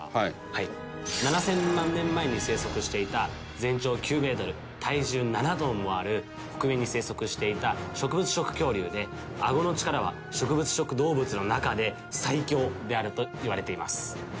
７０００万年前に生息していた全長９メートル体重７トンもある北米に生息していた植物食恐竜であごの力は植物食動物の中で最強であるといわれています。